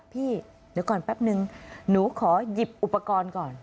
พี่เดี๋ยวก่อนแป๊บนึงหนูขอหยิบอุปกรณ์ก่อน